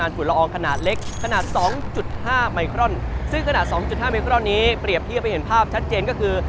เท่านี้เปรียบเทียบให้เห็นภาพชัดเจนก็คือ